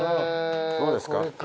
どうですか？